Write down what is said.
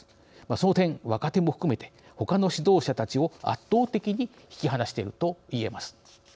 その点、若手も含めてほかの指導者たちを圧倒的に引き離しているといえます。